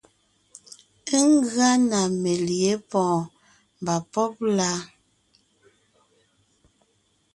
Ngʉa na melyè pɔ́ɔn mba pɔ́b la.